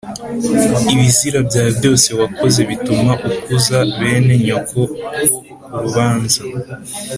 ibizira byawe byose wakoze bituma ukuza bene nyoko ho urubanza